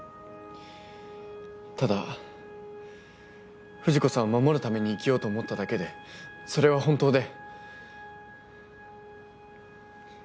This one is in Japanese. ただ藤子さんを守るために生きようと思っただけでそれは本当で。